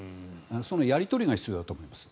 そのやり取りが必要だと思います。